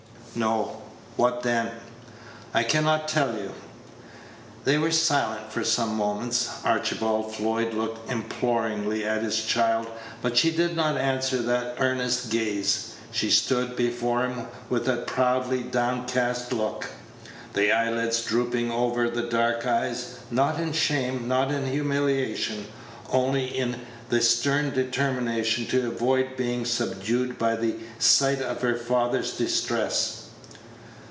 "No." "What then?" "I can not tell you." They were silent for some moments. Archibald Floyd looked imploringly at his child, but she did not answer that earnest gaze. She stood before him with a proudly downcast look; the eyelids drooping over the dark eyes, not in shame, not in humiliation, only in the stern determination to avoid being subdued by the sight of her father's distress.